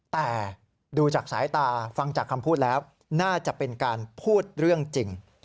แต่ดูจากสายตาฟังจากคำพูดแล้วน่าจะเป็นการพูดเรื่องจริง